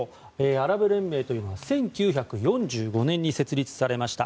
アラブ連盟というのは１９４５年に設立されました。